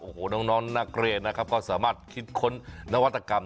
โอ้โหน้องนักเรียนนะครับก็สามารถคิดค้นนวัตกรรม